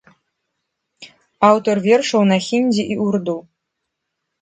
Аўтар вершаў на хіндзі і урду.